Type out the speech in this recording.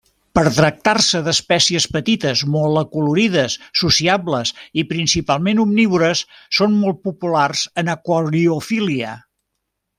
Per tractar-se d'espècies petites, molt acolorides, sociables i principalment omnívores, són molt populars en aquariofília.